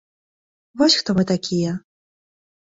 Вось хто мы такія.